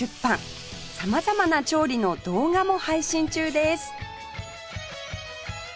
様々な調理の動画も配信中です